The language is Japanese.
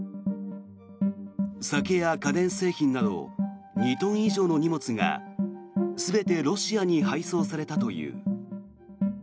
酒や家電製品など２トン以上の荷物が全てロシアに配送されたという。